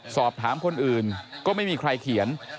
สอบถามคนอื่นก็ไม่มีใครเขียน